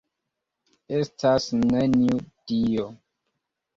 Estas neniu Dio!